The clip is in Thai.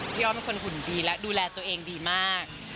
อ้อมเป็นคนหุ่นดีและดูแลตัวเองดีมาก